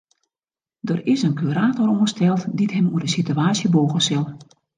Der is in kurator oansteld dy't him oer de sitewaasje bûge sil.